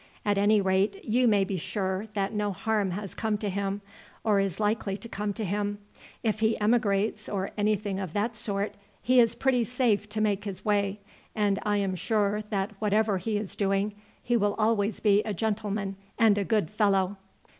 At any rate you may be sure that no harm has come to him, or is likely to come to him. If he emigrates, or anything of that sort, he is pretty safe to make his way, and I am sure that whatever he is doing he will always be a gentleman and a good fellow."